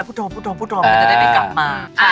พุทธภูมิจะได้กลับมา